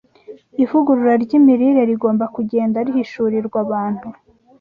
Ivugurura ry’imirire rigomba kugenda rihishurirwa abantu